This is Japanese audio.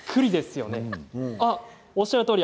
おっしゃるとおり。